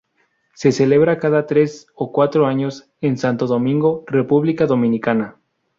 Se celebra cada tres o cuatro años en Santo Domingo, República Dominicana.